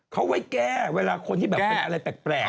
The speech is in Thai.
เขาไว้แก้เวลาคนที่แบบเป็นอะไรแปลก